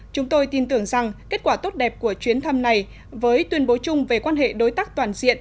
chúng tôi tin tưởng rằng kết quả tốt đẹp của chuyến thăm này với tuyên bố chung về quan hệ đối tác toàn diện